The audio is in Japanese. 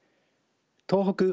東北